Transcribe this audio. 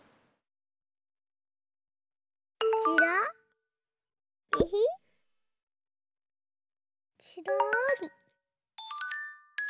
ちらり。